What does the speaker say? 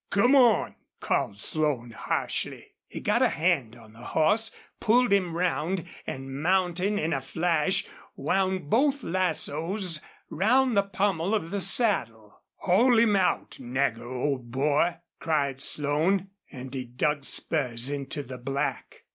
"Come on!" called Slone, harshly. He got a hand on the horse, pulled him round, and, mounting in a flash, wound both lassoes round the pommel of the saddle. "Haul him out, Nagger, old boy!" cried Slone, and he dug spurs into the black.